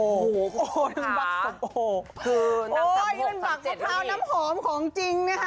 โอ้โหนั่นบักสมโอมันบักรื้องผลาวน้ำหอมของจริงนะคะ